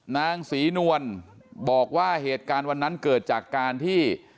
นางศรีนวลบอกว่าเหตุการณ์วันนั้นเกิดจากการที่